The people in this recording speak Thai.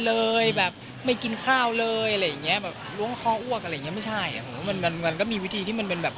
จริงมันก็มีวิธีการนะคะเราก็ไม่ได้ใช้วิธีวิธีการแบบ